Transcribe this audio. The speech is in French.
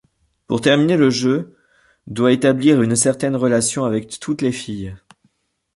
Pour terminer le jeu, doit établir une certaine relation avec toutes les filles.